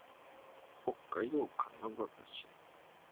北海道歌志内市